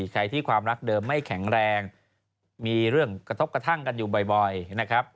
ใครที่ความรักเดิมไม่แข็งแรงมีเรื่องกระทบกระทั่งกันอยู่บ่อยนะครับ